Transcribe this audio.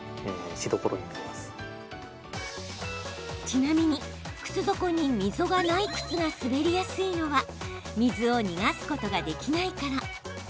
ちなみに、靴底に溝がない靴が滑りやすいのは水を逃がすことができないから。